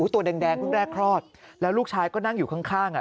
ตัวแดงลูกแรกครอดแล้วลูกชายก็นั่งอยู่ข้าง